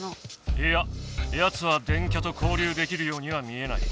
いややつは電キャと交流できるようには見えない。